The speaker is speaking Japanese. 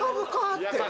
って。